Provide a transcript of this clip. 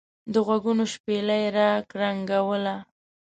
دغوږونو شپېلۍ را کرنګوله.